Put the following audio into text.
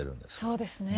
そうですね。